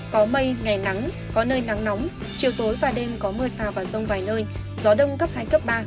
có mây ngày nắng có nơi nắng nóng chiều tối và đêm có mưa rào và rông vài nơi gió đông cấp hai cấp ba